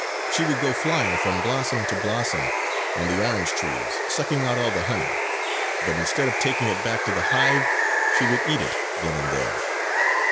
She would go flying from blossom to blossom on the orange trees sucking out all the honey. But instead of taking it back to the hive she would eat it then and there.